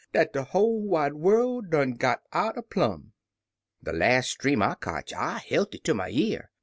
— "Dat de whole wide worl' done got out er plum'!" De las' Dream [ cotch I helt it ter my year.